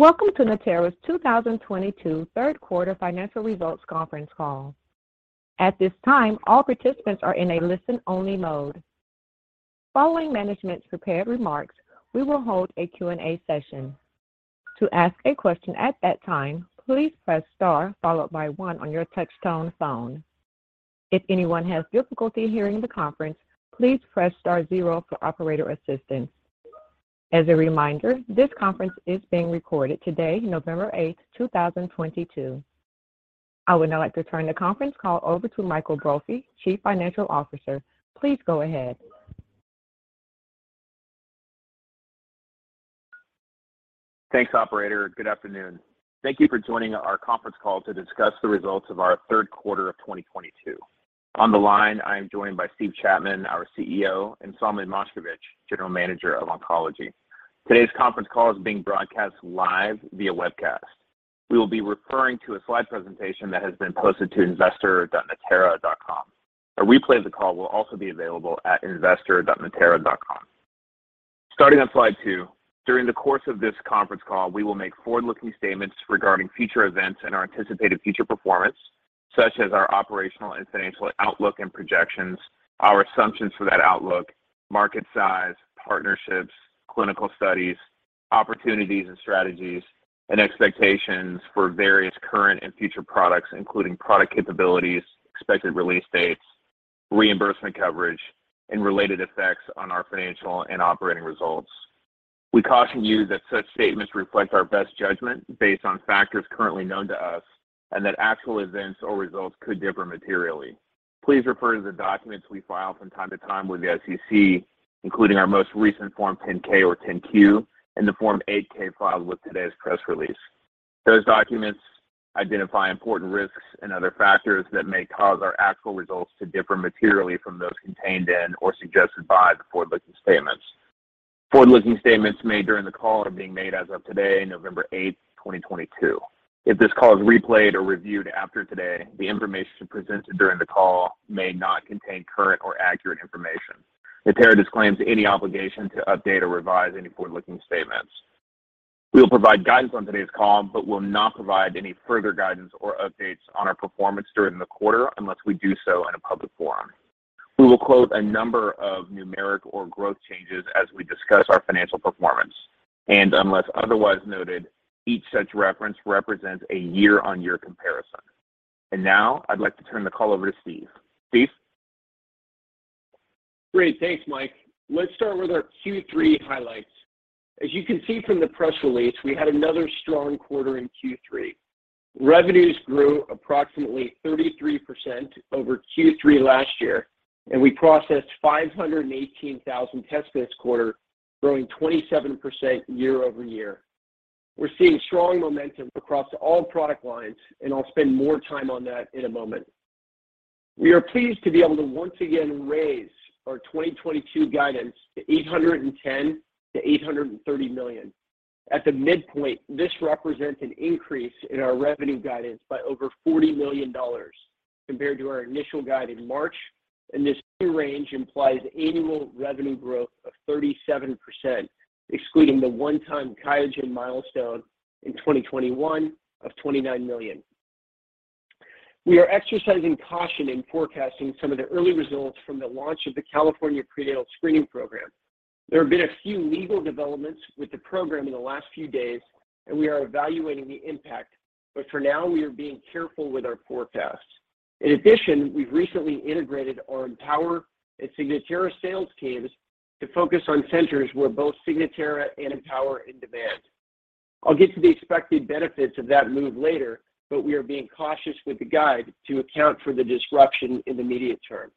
Welcome to Natera's 2022 third quarter financial results conference call. At this time, all participants are in a listen-only mode. Following management's prepared remarks, we will hold a Q&A session. To ask a question at that time, please press star, followed by one on your touchtone phone. If anyone has difficulty hearing the conference, please press star zero for operator assistance. As a reminder, this conference is being recorded today, November 8th, 2022. I would now like to turn the conference call over to Mike Brophy, Chief Financial Officer. Please go ahead. Thanks, operator. Good afternoon. Thank you for joining our conference call to discuss the results of our third quarter of 2022. On the line, I am joined by Steve Chapman, our CEO, and Solomon Moshkevich, General Manager of Oncology. Today's conference call is being broadcast live via webcast. We will be referring to a slide presentation that has been posted to investor.natera.com. A replay of the call will also be available at investor.natera.com. Starting on slide two, during the course of this conference call, we will make forward-looking statements regarding future events and our anticipated future performance, such as our operational and financial outlook and projections, our assumptions for that outlook, market size, partnerships, clinical studies, opportunities and strategies, and expectations for various current and future products, including product capabilities, expected release dates, reimbursement coverage, and related effects on our financial and operating results. We caution you that such statements reflect our best judgment based on factors currently known to us, and that actual events or results could differ materially. Please refer to the documents we file from time to time with the SEC, including our most recent Form 10-K or 10-Q, and the Form 8-K filed with today's press release. Those documents identify important risks and other factors that may cause our actual results to differ materially from those contained in or suggested by the forward-looking statements. Forward-looking statements made during the call are being made as of today, November 8th, 2022. If this call is replayed or reviewed after today, the information presented during the call may not contain current or accurate information. Natera disclaims any obligation to update or revise any forward-looking statements. We will provide guidance on today's call, but will not provide any further guidance or updates on our performance during the quarter unless we do so in a public forum. We will quote a number of numeric or growth changes as we discuss our financial performance, and unless otherwise noted, each such reference represents a year-on-year comparison. Now I'd like to turn the call over to Steve. Steve? Great. Thanks, Mike. Let's start with our Q3 highlights. As you can see from the press release, we had another strong quarter in Q3. Revenues grew approximately 33% over Q3 last year, and we processed 518,000 tests this quarter, growing 27% year-over-year. We're seeing strong momentum across all product lines, and I'll spend more time on that in a moment. We are pleased to be able to once again raise our 2022 guidance to $810 million-$830 million. At the midpoint, this represents an increase in our revenue guidance by over $40 million compared to our initial guide in March, and this new range implies annual revenue growth of 37%, excluding the one-time QIAGEN milestone in 2021 of $29 million. We are exercising caution in forecasting some of the early results from the launch of the California prenatal screening program. There have been a few legal developments with the program in the last few days. We are evaluating the impact, but for now, we are being careful with our forecasts. In addition, we've recently integrated our Empower and Signatera sales teams to focus on centers where both Signatera and Empower are in demand. I'll get to the expected benefits of that move later. We are being cautious with the guide to account for the disruption in the immediate term.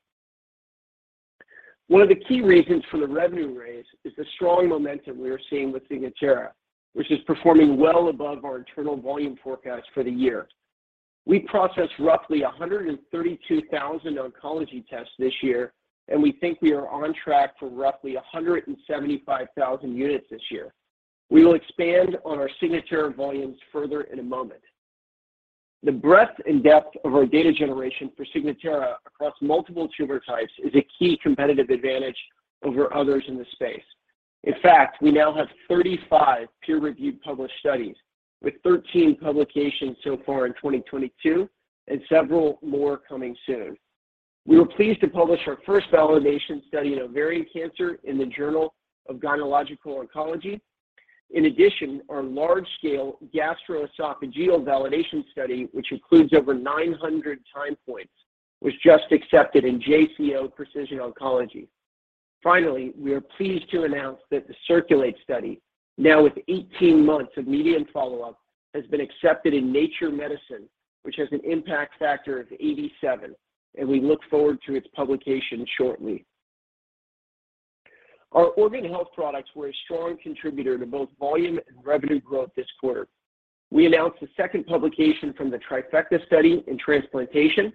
One of the key reasons for the revenue raise is the strong momentum we are seeing with Signatera, which is performing well above our internal volume forecast for the year. We processed roughly 132,000 oncology tests this year, and we think we are on track for roughly 175,000 units this year. We will expand on our Signatera volumes further in a moment. The breadth and depth of our data generation for Signatera across multiple tumor types is a key competitive advantage over others in the space. In fact, we now have 35 peer-reviewed published studies, with 13 publications so far in 2022. Several more coming soon. We were pleased to publish our first validation study in ovarian cancer in the Journal of Gynecologic Oncology. In addition, our large-scale gastroesophageal validation study, which includes over 900 time points, was just accepted in JCO Precision Oncology. Finally, we are pleased to announce that the CIRCULATE study, now with 18 months of median follow-up, has been accepted in Nature Medicine, which has an impact factor of 87. We look forward to its publication shortly. Our organ health products were a strong contributor to both volume and revenue growth this quarter. We announced the second publication from the TRIFECTA study in transplantation.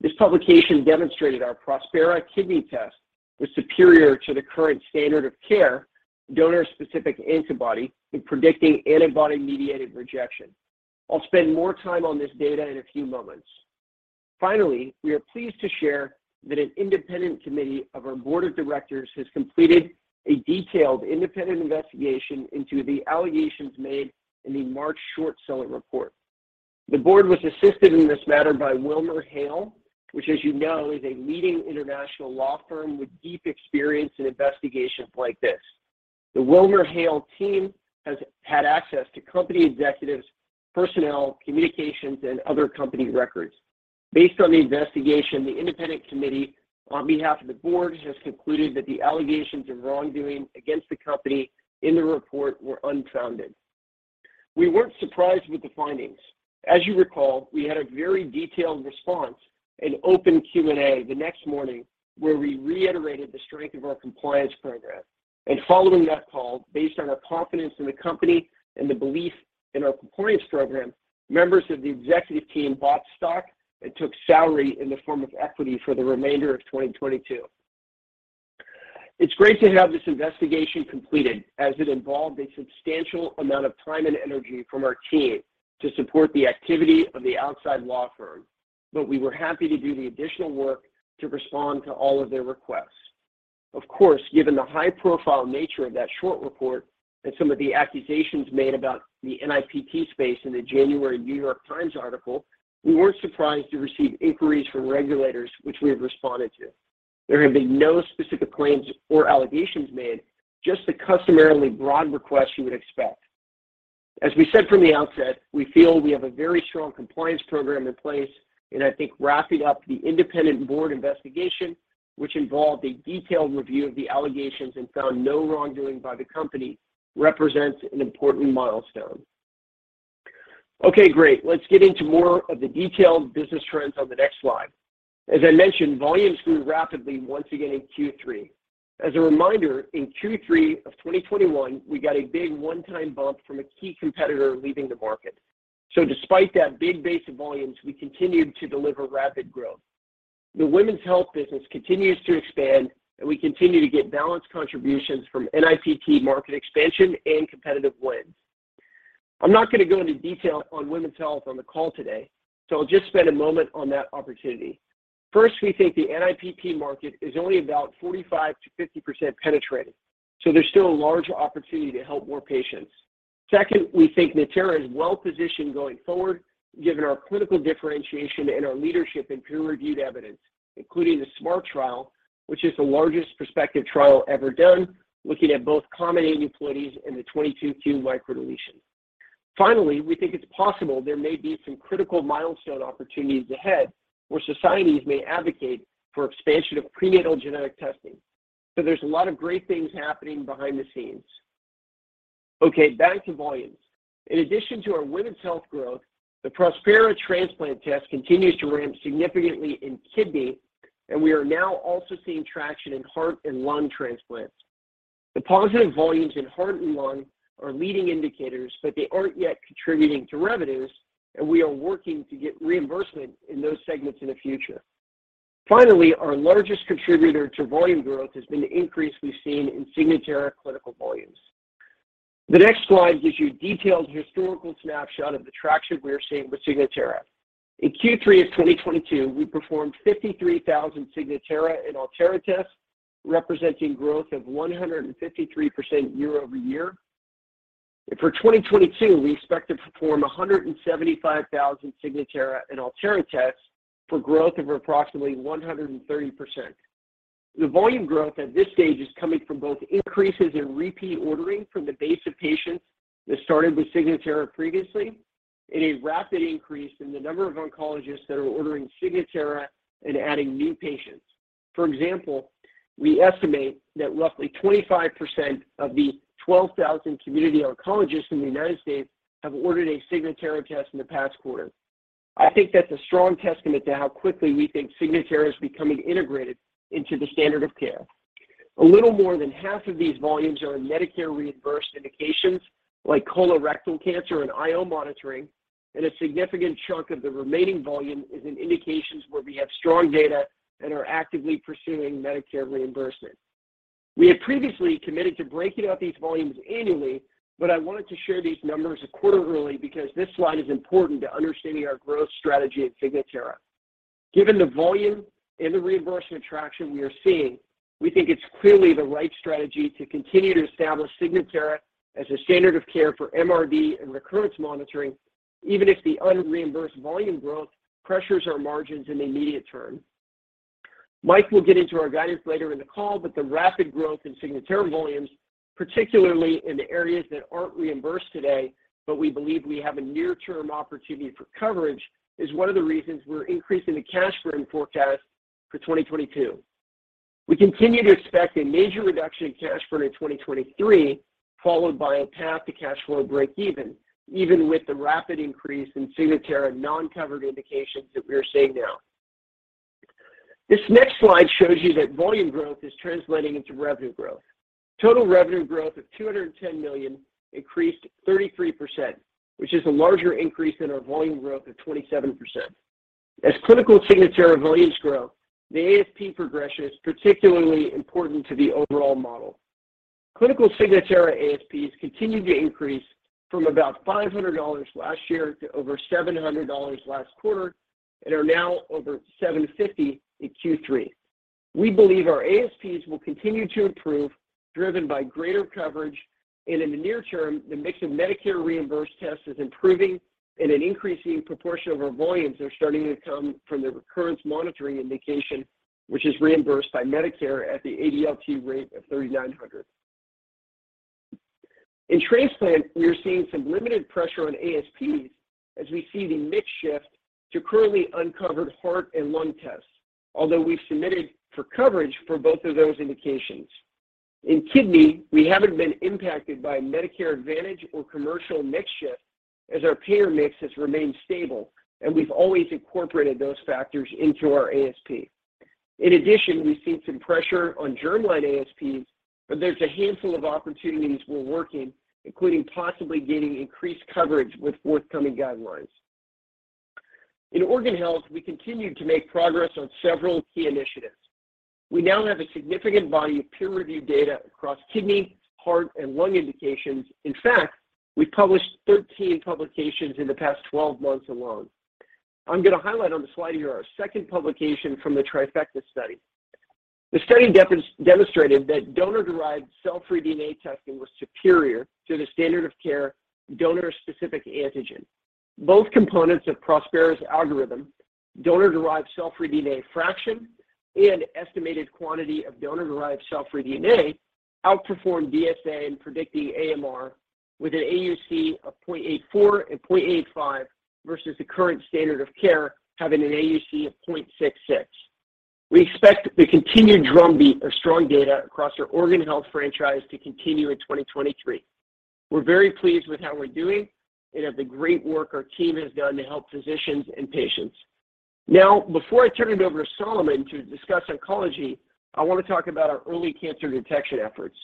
This publication demonstrated our Prospera kidney test was superior to the current standard of care, donor-specific antibody, in predicting antibody-mediated rejection. I'll spend more time on this data in a few moments. Finally, we are pleased to share that an independent committee of our board of directors has completed a detailed independent investigation into the allegations made in the March short-seller report. The board was assisted in this matter by WilmerHale, which, as you know, is a leading international law firm with deep experience in investigations like this. The WilmerHale team has had access to company executives, personnel, communications, and other company records. Based on the investigation, the independent committee, on behalf of the board, has concluded that the allegations of wrongdoing against the company in the report were unfounded. We weren't surprised with the findings. As you recall, we had a very detailed response and open Q&A the next morning, where we reiterated the strength of our compliance program. Following that call, based on our confidence in the company and the belief in our compliance program, members of the executive team bought stock and took salary in the form of equity for the remainder of 2022. It's great to have this investigation completed, as it involved a substantial amount of time and energy from our team to support the activity of the outside law firm, but we were happy to do the additional work to respond to all of their requests. Of course, given the high-profile nature of that short report and some of the accusations made about the NIPT space in the January The New York Times article, we weren't surprised to receive inquiries from regulators, which we have responded to. There have been no specific claims or allegations made, just the customarily broad requests you would expect. As we said from the outset, we feel we have a very strong compliance program in place, and I think wrapping up the independent board investigation, which involved a detailed review of the allegations and found no wrongdoing by the company, represents an important milestone. Okay, great. Let's get into more of the detailed business trends on the next slide. As I mentioned, volumes grew rapidly once again in Q3. As a reminder, in Q3 of 2021, we got a big one-time bump from a key competitor leaving the market. Despite that big base of volumes, we continued to deliver rapid growth. The women's health business continues to expand, and we continue to get balanced contributions from NIPT market expansion and competitive wins. I'm not going to go into detail on women's health on the call today, I'll just spend a moment on that opportunity. First, we think the NIPT market is only about 45%-50% penetrated, there's still a large opportunity to help more patients. Second, we think Natera is well-positioned going forward, given our clinical differentiation and our leadership in peer-reviewed evidence, including the SMART Trial, which is the largest prospective trial ever done, looking at both common aneuploidies and the 22q microdeletion. Finally, we think it's possible there may be some critical milestone opportunities ahead where societies may advocate for expansion of prenatal genetic testing. There's a lot of great things happening behind the scenes. Okay, back to volumes. In addition to our women's health growth, the Prospera transplant test continues to ramp significantly in kidney, and we are now also seeing traction in heart and lung transplants. The positive volumes in heart and lung are leading indicators, but they aren't yet contributing to revenues, and we are working to get reimbursement in those segments in the future. Finally, our largest contributor to volume growth has been the increase we've seen in Signatera clinical volumes. The next slide gives you a detailed historical snapshot of the traction we are seeing with Signatera. In Q3 of 2022, we performed 53,000 Signatera and Altera tests, representing growth of 153% year-over-year. For 2022, we expect to perform 175,000 Signatera and Altera tests for growth of approximately 130%. The volume growth at this stage is coming from both increases in repeat ordering from the base of patients that started with Signatera previously and a rapid increase in the number of oncologists that are ordering Signatera and adding new patients. For example, we estimate that roughly 25% of the 12,000 community oncologists in the U.S. have ordered a Signatera test in the past quarter. I think that's a strong testament to how quickly we think Signatera is becoming integrated into the standard of care. A little more than half of these volumes are in Medicare-reimbursed indications, like colorectal cancer and IO monitoring, and a significant chunk of the remaining volume is in indications where we have strong data and are actively pursuing Medicare reimbursement. We had previously committed to breaking out these volumes annually. I wanted to share these numbers quarterly because this slide is important to understanding our growth strategy at Signatera. Given the volume and the reimbursement traction we are seeing, we think it's clearly the right strategy to continue to establish Signatera as a standard of care for MRD and recurrence monitoring, even if the un-reimbursed volume growth pressures our margins in the immediate term. Mike will get into our guidance later in the call. The rapid growth in Signatera volumes, particularly in the areas that aren't reimbursed today, but we believe we have a near-term opportunity for coverage, is one of the reasons we're increasing the cash burn forecast for 2022. We continue to expect a major reduction in cash burn in 2023, followed by a path to cash flow breakeven, even with the rapid increase in Signatera non-covered indications that we are seeing now. This next slide shows you that volume growth is translating into revenue growth. Total revenue growth of $210 million increased 33%, which is a larger increase than our volume growth of 27%. As clinical Signatera volumes grow, the ASP progression is particularly important to the overall model. Clinical Signatera ASPs continued to increase from about $500 last year to over $700 last quarter, and are now over $750 in Q3. We believe our ASPs will continue to improve, driven by greater coverage. In the near term, the mix of Medicare-reimbursed tests is improving. An increasing proportion of our volumes are starting to come from the recurrence monitoring indication, which is reimbursed by Medicare at the ADLT rate of $3,900. In transplant, we are seeing some limited pressure on ASPs as we see the mix shift to currently uncovered heart and lung tests. We've submitted for coverage for both of those indications. In kidney, we haven't been impacted by Medicare Advantage or commercial mix shift as our payer mix has remained stable. We've always incorporated those factors into our ASP. In addition, we've seen some pressure on germline ASPs. There's a handful of opportunities we're working, including possibly gaining increased coverage with forthcoming guidelines. In organ health, we continued to make progress on several key initiatives. We now have a significant body of peer-reviewed data across kidney, heart, and lung indications. In fact, we published 13 publications in the past 12 months alone. I'm going to highlight on the slide here our second publication from the TRIFECTA study. The study demonstrated that donor-derived cell-free DNA testing was superior to the standard of care donor-specific antibody. Both components of Prospera's algorithm, donor-derived cell-free DNA fraction and estimated quantity of donor-derived cell-free DNA, outperformed DSA in predicting AMR with an AUC of 0.84 and 0.85 versus the current standard of care having an AUC of 0.66. We expect the continued drumbeat of strong data across our organ health franchise to continue in 2023. We're very pleased with how we're doing and of the great work our team has done to help physicians and patients. Before I turn it over to Solomon to discuss oncology, I want to talk about our early cancer detection efforts.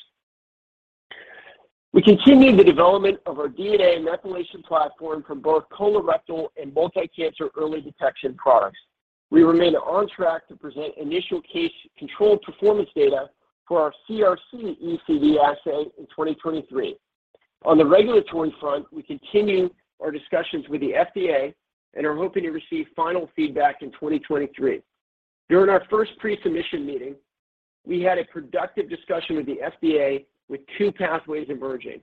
We continue the development of our DNA methylation platform for both colorectal and multi-cancer early detection products. We remain on track to present initial case controlled performance data for our CRC ECD assay in 2023. On the regulatory front, we continue our discussions with the FDA and are hoping to receive final feedback in 2023. During our first pre-submission meeting, we had a productive discussion with the FDA with two pathways emerging.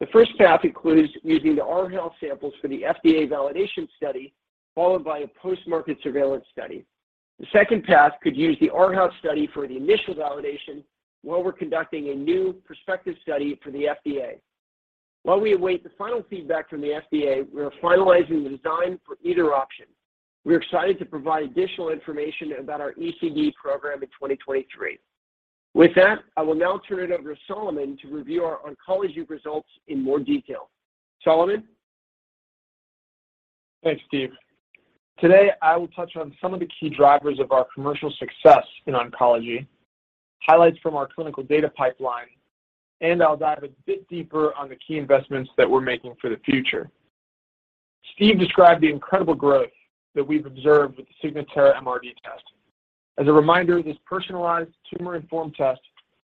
The first path includes using our health samples for the FDA validation study, followed by a post-market surveillance study. The second path could use our house study for the initial validation while we're conducting a new prospective study for the FDA. While we await the final feedback from the FDA, we are finalizing the design for either option. We are excited to provide additional information about our ECD program in 2023. I will now turn it over to Solomon to review our oncology results in more detail. Solomon? Thanks, Steve. Today, I will touch on some of the key drivers of our commercial success in oncology, highlights from our clinical data pipeline, and I'll dive a bit deeper on the key investments that we're making for the future. Steve described the incredible growth that we've observed with the Signatera MRD test. As a reminder, this personalized tumor-informed test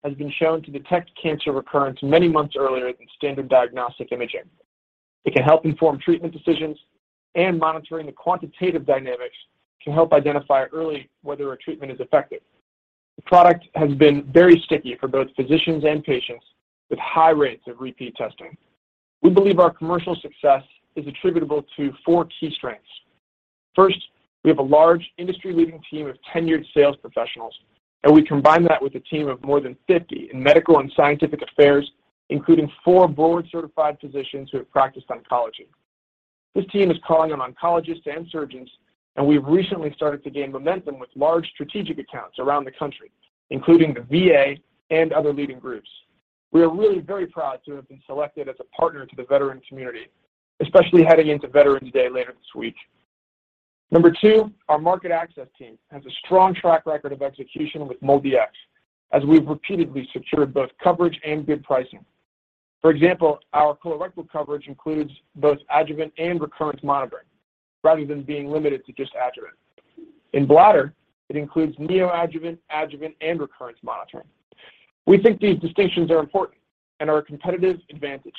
has been shown to detect cancer recurrence many months earlier than standard diagnostic imaging. It can help inform treatment decisions, and monitoring the quantitative dynamics can help identify early whether a treatment is effective. The product has been very sticky for both physicians and patients, with high rates of repeat testing. We believe our commercial success is attributable to four key strengths. First, we have a large industry-leading team of tenured sales professionals. We combine that with a team of more than 50 in medical and scientific affairs, including four board-certified physicians who have practiced oncology. This team is calling on oncologists and surgeons. We've recently started to gain momentum with large strategic accounts around the country, including the VA and other leading groups. We are really very proud to have been selected as a partner to the veteran community, especially heading into Veterans Day later this week. Number 2, our market access team has a strong track record of execution with MolDx, as we've repeatedly secured both coverage and good pricing. For example, our colorectal coverage includes both adjuvant and recurrence monitoring, rather than being limited to just adjuvant. In bladder, it includes neoadjuvant, adjuvant, and recurrence monitoring. We think these distinctions are important and are a competitive advantage.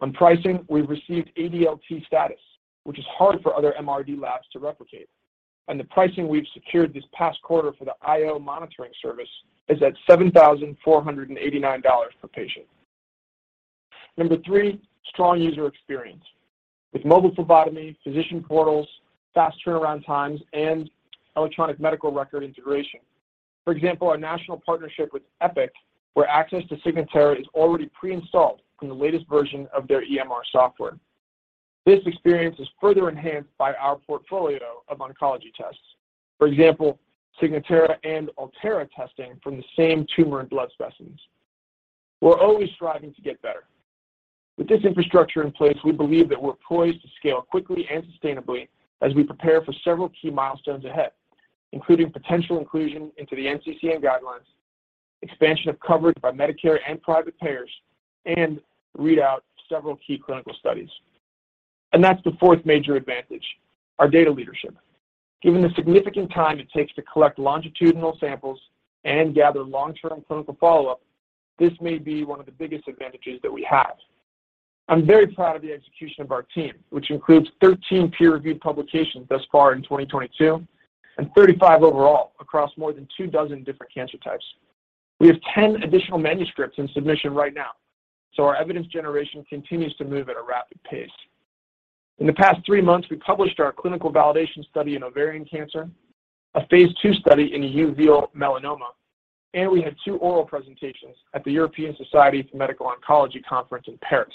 On pricing, we've received ADLT status, which is hard for other MRD labs to replicate. The pricing we've secured this past quarter for the IO monitoring service is at $7,489 per patient. Number 3, strong user experience with mobile phlebotomy, physician portals, fast turnaround times, and electronic medical record integration. For example, our national partnership with Epic, where access to Signatera is already pre-installed in the latest version of their EMR software. This experience is further enhanced by our portfolio of oncology tests. For example, Signatera and Altera testing from the same tumor and blood specimens. We're always striving to get better. With this infrastructure in place, we believe that we're poised to scale quickly and sustainably as we prepare for several key milestones ahead, including potential inclusion into the NCCN guidelines, expansion of coverage by Medicare and private payers, and readout of several key clinical studies. That's the fourth major advantage, our data leadership. Given the significant time it takes to collect longitudinal samples and gather long-term clinical follow-up, this may be one of the biggest advantages that we have. I'm very proud of the execution of our team, which includes 13 peer-reviewed publications thus far in 2022 and 35 overall across more than 2 dozen different cancer types. We have 10 additional manuscripts in submission right now. Our evidence generation continues to move at a rapid pace. In the past 3 months, we published our clinical validation study in ovarian cancer, a phase II study in uveal melanoma. We had 2 oral presentations at the European Society for Medical Oncology conference in Paris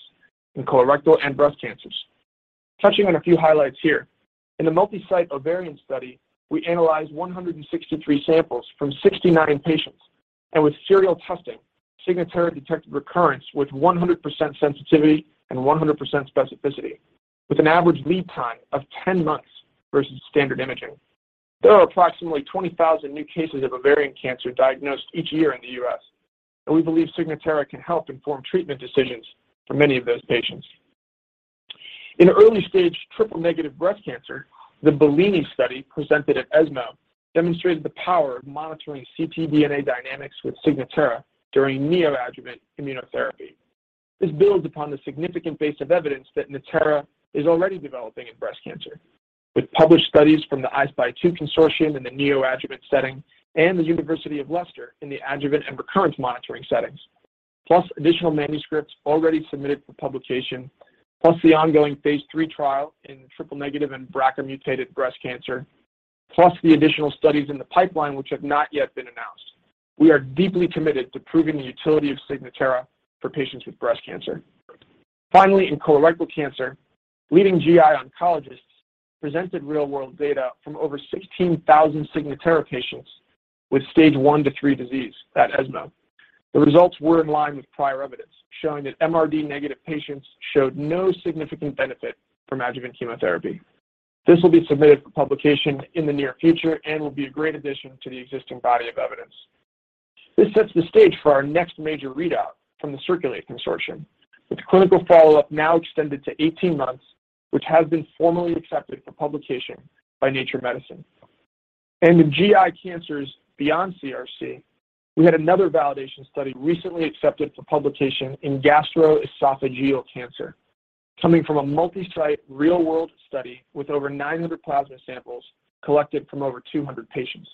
in colorectal and breast cancers. Touching on a few highlights here. In the multi-site ovarian study, we analyzed 163 samples from 69 patients. With serial testing, Signatera detected recurrence with 100% sensitivity and 100% specificity, with an average lead time of 10 months versus standard imaging. There are approximately 20,000 new cases of ovarian cancer diagnosed each year in the U.S. We believe Signatera can help inform treatment decisions for many of those patients. In early stage triple-negative breast cancer, the BELLINI study presented at ESMO demonstrated the power of monitoring ctDNA dynamics with Signatera during neoadjuvant immunotherapy. This builds upon the significant base of evidence that Natera is already developing in breast cancer with published studies from the I-SPY 2 Consortium in the neoadjuvant setting and the University of Leicester in the adjuvant and recurrence monitoring settings, plus additional manuscripts already submitted for publication, plus the ongoing phase III trial in triple-negative and BRCA-mutated breast cancer, plus the additional studies in the pipeline which have not yet been announced. We are deeply committed to proving the utility of Signatera for patients with breast cancer. Finally, in colorectal cancer, leading GI oncologists presented real-world data from over 16,000 Signatera patients with stage 1 to 3 disease at ESMO. The results were in line with prior evidence, showing that MRD-negative patients showed no significant benefit from adjuvant chemotherapy. This will be submitted for publication in the near future and will be a great addition to the existing body of evidence. This sets the stage for our next major readout from the CIRCULATE Consortium, with the clinical follow-up now extended to 18 months, which has been formally accepted for publication by *Nature Medicine*. In GI cancers beyond CRC, we had another validation study recently accepted for publication in gastroesophageal cancer, coming from a multi-site real-world study with over 900 plasma samples collected from over 200 patients.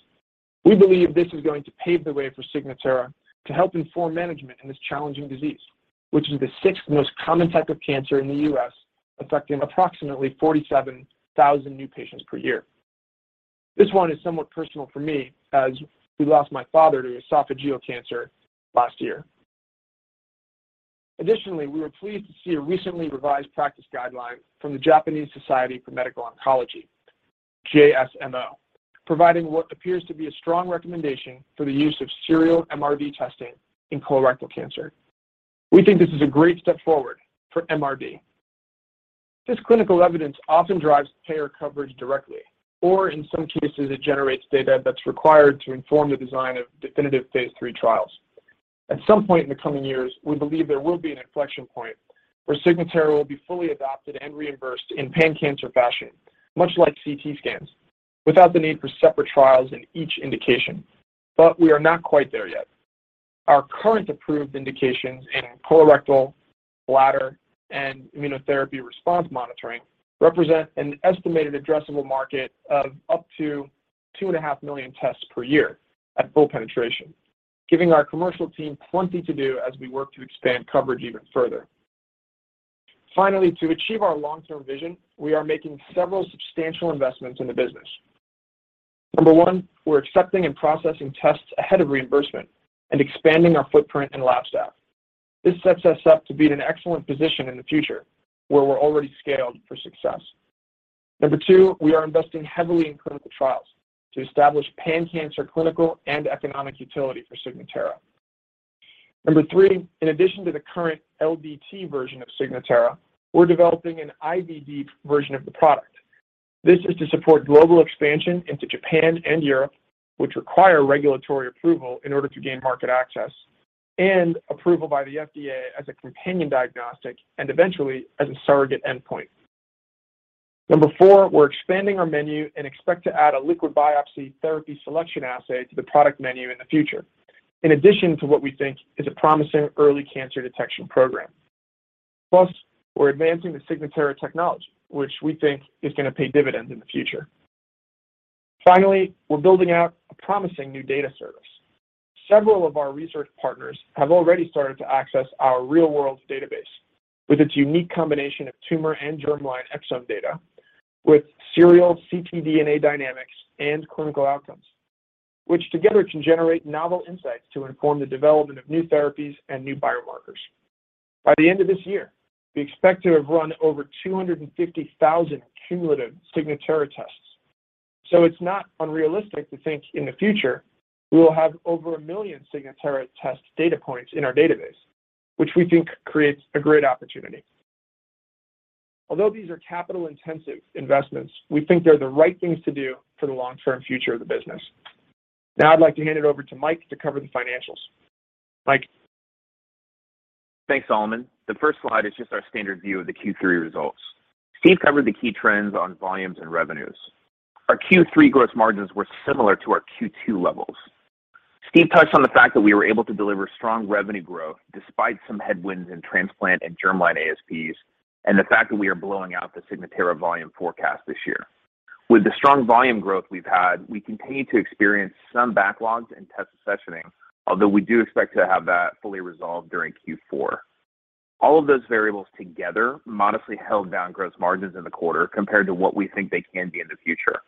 We believe this is going to pave the way for Signatera to help inform management in this challenging disease, which is the sixth most common type of cancer in the U.S., affecting approximately 47,000 new patients per year. This one is somewhat personal for me, as we lost my father to esophageal cancer last year. Additionally, we were pleased to see a recently revised practice guideline from the Japanese Society of Medical Oncology, JSMO, providing what appears to be a strong recommendation for the use of serial MRD testing in colorectal cancer. We think this is a great step forward for MRD. This clinical evidence often drives payer coverage directly, or in some cases, it generates data that is required to inform the design of definitive phase III trials. At some point in the coming years, we believe there will be an inflection point where Signatera will be fully adopted and reimbursed in pan-cancer fashion, much like CT scans, without the need for separate trials in each indication. We are not quite there yet. Our current approved indications in colorectal, bladder, and immunotherapy response monitoring represent an estimated addressable market of up to 2.5 million tests per year at full penetration, giving our commercial team plenty to do as we work to expand coverage even further. Finally, to achieve our long-term vision, we are making several substantial investments in the business. Number one, we are accepting and processing tests ahead of reimbursement and expanding our footprint and lab staff. This sets us up to be in an excellent position in the future where we are already scaled for success. Number two, we are investing heavily in clinical trials to establish pan-cancer clinical and economic utility for Signatera. Number three, in addition to the current LDT version of Signatera, we are developing an IVD version of the product. This is to support global expansion into Japan and Europe, which require regulatory approval in order to gain market access and approval by the FDA as a companion diagnostic and eventually as a surrogate endpoint. Number 4, we're expanding our menu and expect to add a liquid biopsy therapy selection assay to the product menu in the future, in addition to what we think is a promising Early Cancer Detection program. We're advancing the Signatera technology, which we think is going to pay dividends in the future. We're building out a promising new data service. Several of our research partners have already started to access our real-world database with its unique combination of tumor and germline exome data with serial ctDNA dynamics and clinical outcomes, which together can generate novel insights to inform the development of new therapies and new biomarkers. By the end of this year, we expect to have run over 250,000 cumulative Signatera tests. It's not unrealistic to think in the future, we will have over 1 million Signatera test data points in our database, which we think creates a great opportunity. Although these are capital-intensive investments, we think they're the right things to do for the long-term future of the business. Now I'd like to hand it over to Mike to cover the financials. Mike? Thanks, Solomon. The first slide is just our standard view of the Q3 results. Steve covered the key trends on volumes and revenues. Our Q3 gross margins were similar to our Q2 levels. Steve touched on the fact that we were able to deliver strong revenue growth despite some headwinds in transplant and germline ASPs, and the fact that we are blowing out the Signatera volume forecast this year. With the strong volume growth we've had, we continue to experience some backlogs in test accessioning, although we do expect to have that fully resolved during Q4. All of those variables together modestly held down gross margins in the quarter compared to what we think they can be in the future.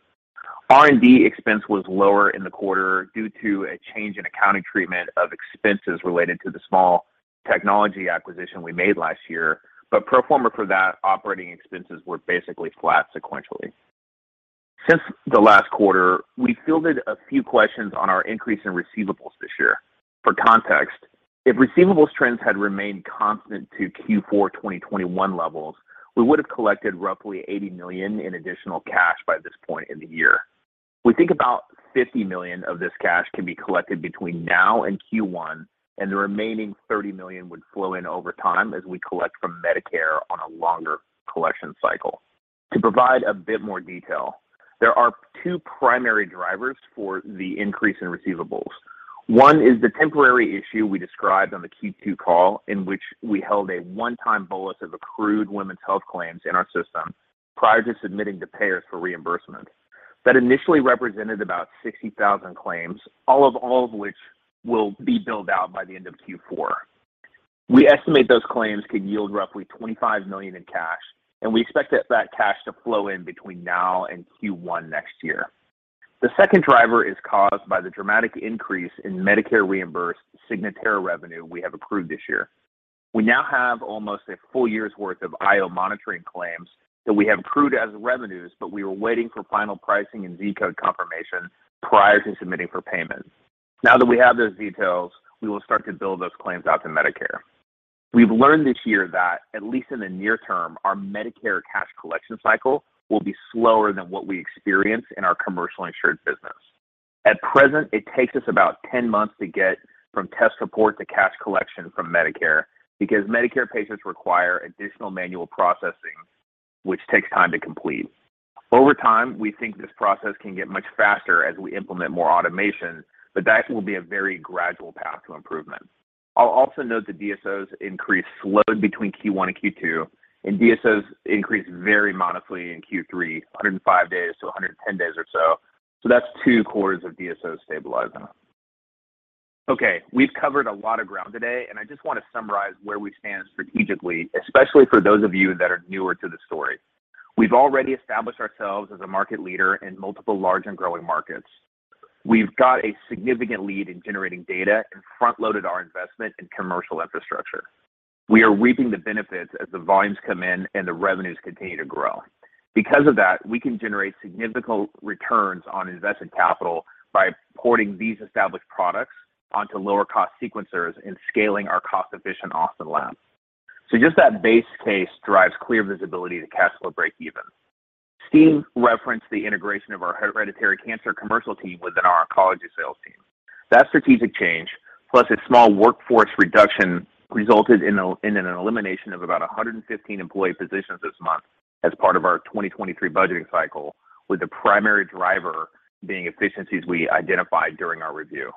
R&D expense was lower in the quarter due to a change in accounting treatment of expenses related to the small technology acquisition we made last year, but pro forma for that, operating expenses were basically flat sequentially. Since the last quarter, we fielded a few questions on our increase in receivables this year. For context, if receivables trends had remained constant to Q4 2021 levels, we would have collected roughly $80 million in additional cash by this point in the year. We think about $50 million of this cash can be collected between now and Q1, and the remaining $30 million would flow in over time as we collect from Medicare on a longer collection cycle. To provide a bit more detail, there are two primary drivers for the increase in receivables. One is the temporary issue we described on the Q2 call, in which we held a one-time bolus of accrued women's health claims in our system prior to submitting to payers for reimbursement. That initially represented about 60,000 claims, all of which will be billed out by the end of Q4. We estimate those claims could yield roughly $25 million in cash, and we expect that cash to flow in between now and Q1 next year. The second driver is caused by the dramatic increase in Medicare-reimbursed Signatera revenue we have accrued this year. We now have almost a full year's worth of IO monitoring claims that we have accrued as revenues, but we were waiting for final pricing and Z-code confirmation prior to submitting for payment. Now that we have those details, we will start to bill those claims out to Medicare. We've learned this year that, at least in the near term, our Medicare cash collection cycle will be slower than what we experience in our commercial insured business. At present, it takes us about 10 months to get from test report to cash collection from Medicare, because Medicare patients require additional manual processing, which takes time to complete. Over time, we think this process can get much faster as we implement more automation, but that will be a very gradual path to improvement. I'll also note that DSOs increase slowed between Q1 and Q2, DSOs increased very modestly in Q3, 105 days to 110 days or so. That's two quarters of DSOs stabilizing. We've covered a lot of ground today, I just want to summarize where we stand strategically, especially for those of you that are newer to the story. We've already established ourselves as a market leader in multiple large and growing markets. We've got a significant lead in generating data and front-loaded our investment in commercial infrastructure. We are reaping the benefits as the volumes come in and the revenues continue to grow. Because of that, we can generate significant returns on invested capital by porting these established products onto lower-cost sequencers and scaling our cost-efficient Austin lab. Just that base case drives clear visibility to cash flow break even. Steve referenced the integration of our hereditary cancer commercial team within our oncology sales team. That strategic change, plus a small workforce reduction, resulted in an elimination of about 115 employee positions this month as part of our 2023 budgeting cycle, with the primary driver being efficiencies we identified during our review.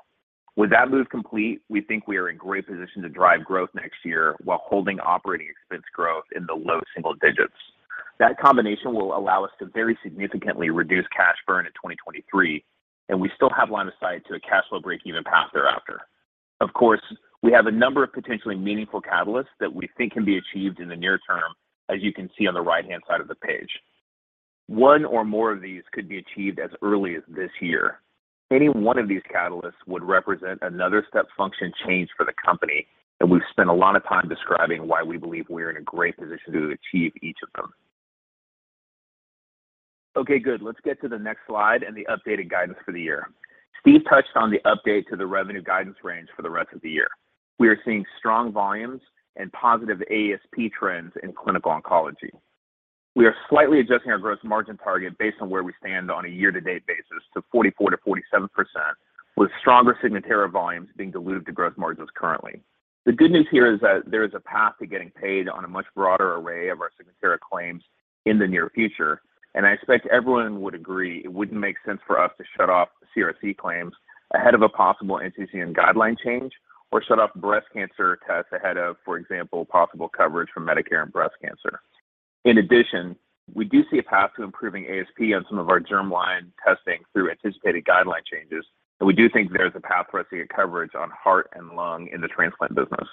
With that move complete, we think we are in great position to drive growth next year while holding operating expense growth in the low single digits. That combination will allow us to very significantly reduce cash burn in 2023, we still have line of sight to a cash flow breakeven path thereafter. Of course, we have a number of potentially meaningful catalysts that we think can be achieved in the near term, as you can see on the right-hand side of the page. One or more of these could be achieved as early as this year. Any one of these catalysts would represent another step function change for the company, we've spent a lot of time describing why we believe we're in a great position to achieve each of them. Let's get to the next slide and the updated guidance for the year. Steve touched on the update to the revenue guidance range for the rest of the year. We are seeing strong volumes and positive ASP trends in clinical oncology. We are slightly adjusting our gross margin target based on where we stand on a year-to-date basis to 44%-47%, with stronger Signatera volumes being dilutive to gross margins currently. The good news here is that there is a path to getting paid on a much broader array of our Signatera claims in the near future. I expect everyone would agree it wouldn't make sense for us to shut off CRC claims ahead of a possible NCCN guideline change or shut off breast cancer tests ahead of, for example, possible coverage for Medicare and breast cancer. In addition, we do see a path to improving ASP on some of our germline testing through anticipated guideline changes. We do think there's a path for us to get coverage on heart and lung in the transplant business.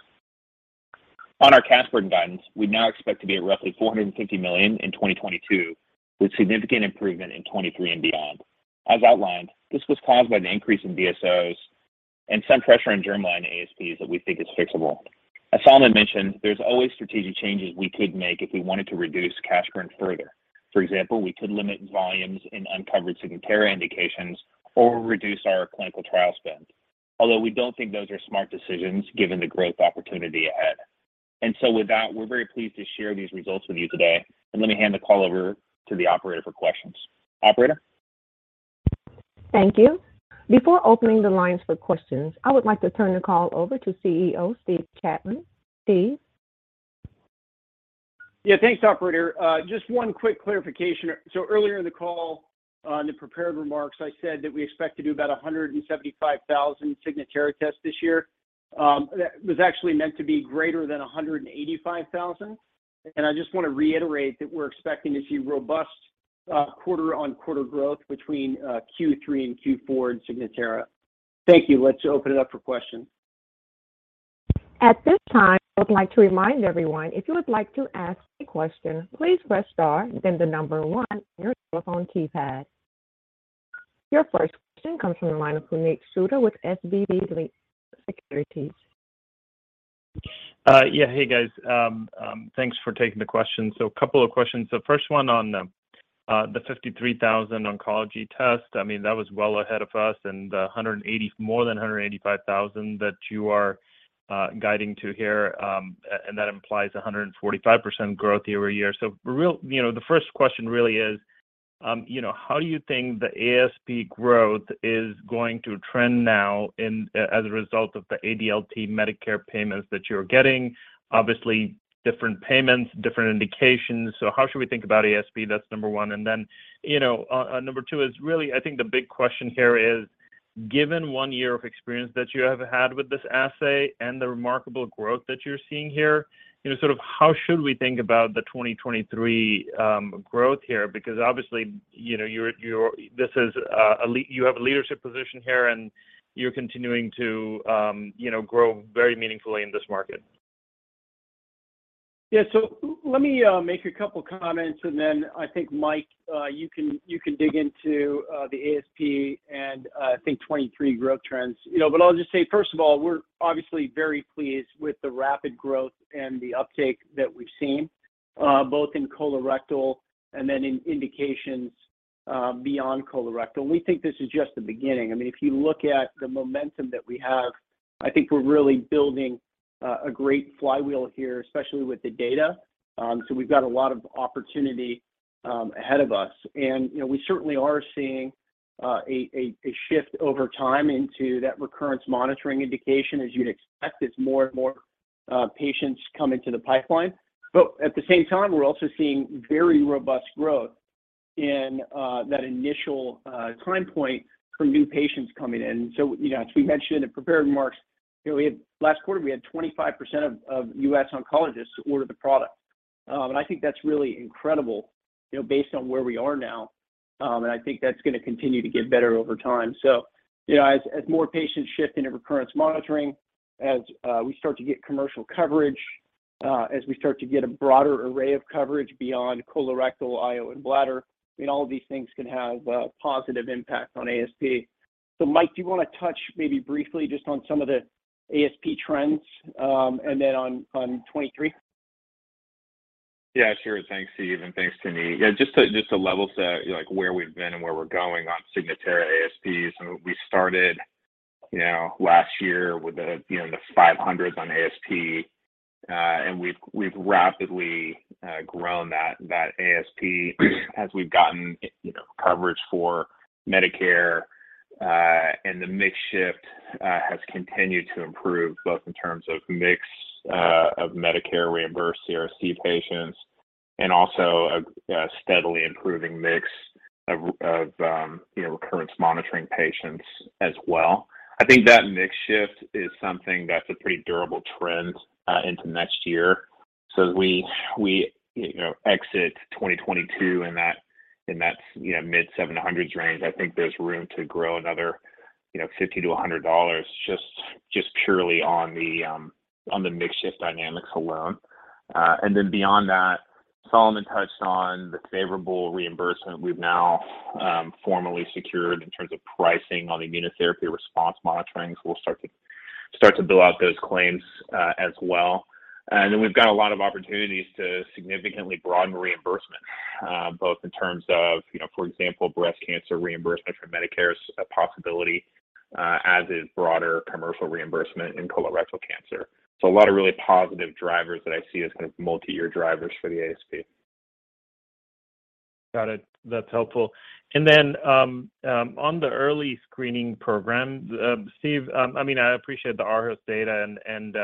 On our cash burn guidance, we now expect to be at roughly $450 million in 2022, with significant improvement in 2023 and beyond. As outlined, this was caused by an increase in DSOs and some pressure in germline ASPs that we think is fixable. As Solomon mentioned, there's always strategic changes we could make if we wanted to reduce cash burn further. For example, we could limit volumes in uncovered Signatera indications or reduce our clinical trial spend. We don't think those are smart decisions given the growth opportunity ahead. With that, we're very pleased to share these results with you today. Let me hand the call over to the operator for questions. Operator? Thank you. Before opening the lines for questions, I would like to turn the call over to CEO Steve Chapman. Steve? Yeah, thanks, operator. Just one quick clarification. Earlier in the call, on the prepared remarks, I said that we expect to do about 175,000 Signatera tests this year. That was actually meant to be greater than 185,000. I just want to reiterate that we're expecting to see robust quarter-on-quarter growth between Q3 and Q4 in Signatera. Thank you. Let's open it up for questions. At this time, I would like to remind everyone, if you would like to ask a question, please press star then the number one on your telephone keypad. Your first question comes from the line of Puneet Souda with SVB Securities. Yeah. Hey, guys. Thanks for taking the question. A couple of questions. First one on the 53,000 oncology test. That was well ahead of us, and the more than 185,000 that you are guiding to here, and that implies 145% growth year-over-year. The first question really is, how do you think the ASP growth is going to trend now as a result of the ADLT Medicare payments that you're getting? Obviously, different payments, different indications. How should we think about ASP? That's number one. Then, number two is really, I think the big question here is, given one year of experience that you have had with this assay and the remarkable growth that you're seeing here, how should we think about the 2023 growth here? Because obviously, you have a leadership position here, and you're continuing to grow very meaningfully in this market. Yeah. Let me make a couple of comments, and then I think, Mike, you can dig into the ASP and I think 2023 growth trends. I'll just say, first of all, we're obviously very pleased with the rapid growth and the uptake that we've seen, both in colorectal and then in indications beyond colorectal. We think this is just the beginning. If you look at the momentum that we have, I think we're really building a great flywheel here, especially with the data. We've got a lot of opportunity ahead of us. We certainly are seeing a shift over time into that recurrence monitoring indication as you'd expect, as more and more patients come into the pipeline. At the same time, we're also seeing very robust growth in that initial time point for new patients coming in. As we mentioned in the prepared remarks, last quarter, we had 25% of U.S. oncologists order the product. I think that's really incredible based on where we are now. I think that's going to continue to get better over time. As more patients shift into recurrence monitoring, as we start to get commercial coverage, as we start to get a broader array of coverage beyond colorectal, IO, and bladder, all of these things can have a positive impact on ASP. Mike, do you want to touch maybe briefly just on some of the ASP trends, and then on 2023? Sure. Thanks, Steve, and thanks, Puneet. Just to level set where we've been and where we're going on Signatera ASPs, we started last year with the 500s on ASP. We've rapidly grown that ASP as we've gotten coverage for Medicare. The mix shift has continued to improve, both in terms of mix of Medicare-reimbursed CRC patients, and also a steadily improving mix of recurrence monitoring patients as well. I think that mix shift is something that's a pretty durable trend into next year. As we exit 2022 in that mid-700s range, I think there's room to grow another $50 to $100 just purely on the mix shift dynamics alone. Then beyond that, Solomon touched on the favorable reimbursement we've now formally secured in terms of pricing on the immunotherapy response monitoring. We'll start to bill out those claims as well. We've got a lot of opportunities to significantly broaden reimbursement, both in terms of, for example, breast cancer reimbursement from Medicare is a possibility, as is broader commercial reimbursement in colorectal cancer. A lot of really positive drivers that I see as kind of multi-year drivers for the ASP. Got it. That's helpful. Then, on the early screening program, Steve, I appreciate the RS data and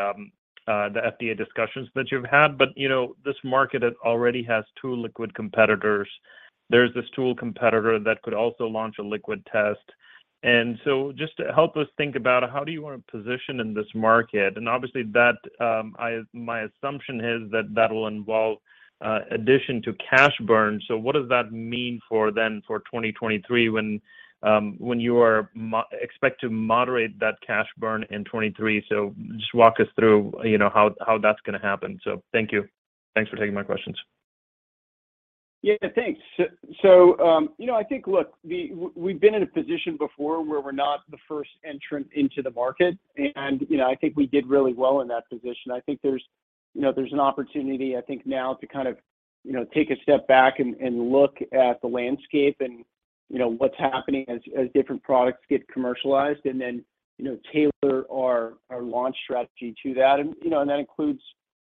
the FDA discussions that you've had, this market already has two liquid competitors. There's this tool competitor that could also launch a liquid test. Just help us think about how do you want to position in this market? Obviously, my assumption is that that will involve addition to cash burn. What does that mean for then for 2023 when you expect to moderate that cash burn in 2023? Just walk us through how that's going to happen. Thank you. Thanks for taking my questions. Thanks. I think, look, we've been in a position before where we're not the first entrant into the market, and I think we did really well in that position. I think there's an opportunity, I think now to take a step back and look at the landscape and what's happening as different products get commercialized, and then tailor our launch strategy to that. That includes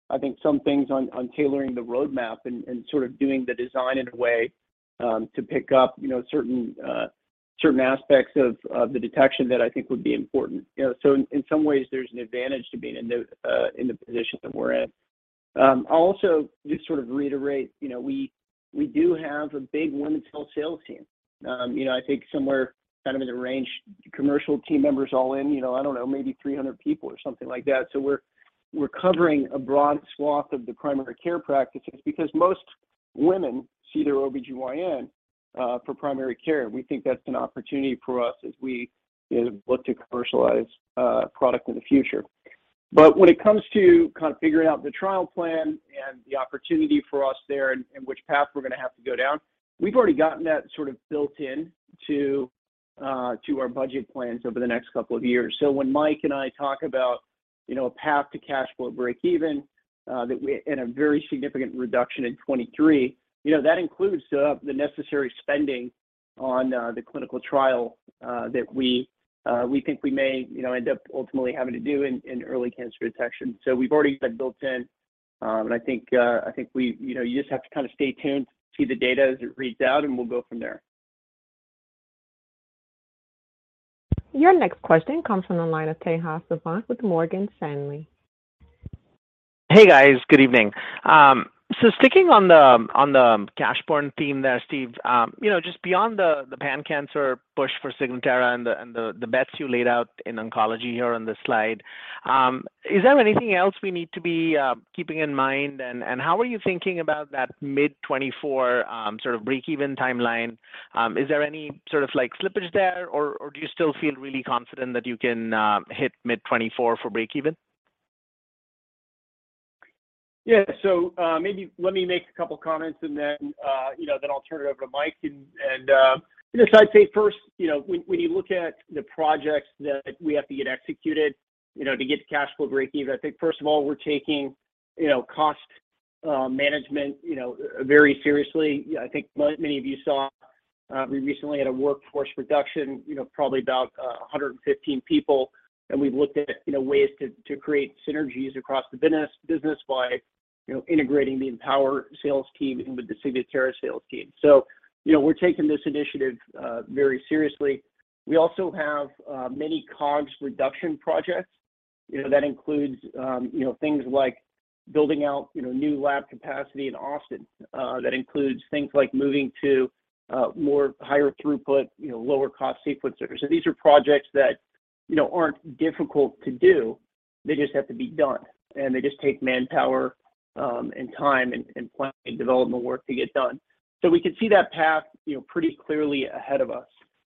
I think some things on tailoring the roadmap and doing the design in a way to pick up certain aspects of the detection that I think would be important. In some ways, there's an advantage to being in the position that we're in. I'll also just reiterate, we do have a big women's health sales team. I think somewhere in the range, commercial team members all in, I don't know, maybe 300 people or something like that. We're covering a broad swath of the primary care practices, because most women see their OB/GYN for primary care. We think that's an opportunity for us as we look to commercialize a product in the future. When it comes to figuring out the trial plan and the opportunity for us there and which path we're going to have to go down, we've already gotten that built-in to our budget plans over the next couple of years. When Mike and I talk about a path to cash flow breakeven and a very significant reduction in 2023, that includes the necessary spending on the clinical trial that we think we may end up ultimately having to do in Early Cancer Detection. We've already had that built in, and I think you just have to stay tuned to the data as it reads out, and we'll go from there. Your next question comes from the line of Tejas Savant with Morgan Stanley. Hey, guys. Good evening. Sticking on the cash burn theme there, Steve, just beyond the pan-cancer push for Signatera and the bets you laid out in oncology here on this slide, is there anything else we need to be keeping in mind, and how are you thinking about that mid-2024 breakeven timeline? Is there any slippage there, or do you still feel really confident that you can hit mid-2024 for breakeven? Yeah. Maybe let me make a couple of comments and then I'll turn it over to Mike. I guess I'd say first, when you look at the projects that we have to get executed to get to cash flow breakeven, I think first of all, we're taking cost management very seriously. I think many of you saw we recently had a workforce reduction, probably about 115 people, and we've looked at ways to create synergies across the business by integrating the Empower sales team in with the Signatera sales team. We're taking this initiative very seriously. We also have many COGS reduction projects. That includes things like building out new lab capacity in Austin. That includes things like moving to more higher throughput, lower cost sequencers. These are projects that aren't difficult to do. They just have to be done, they just take manpower and time and planning and development work to get done. We can see that path pretty clearly ahead of us.